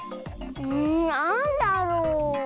んなんだろう？